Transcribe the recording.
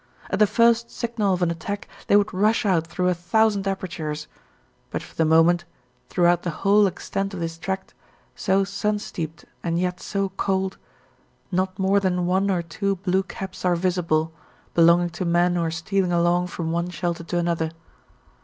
At the first signal of an attack they would rush out through a thousand apertures; but for the moment, throughout the whole extent of this tract, so sun steeped and yet so cold, not more than one or two blue caps are visible, belonging to men who are stealing along from one shelter to another.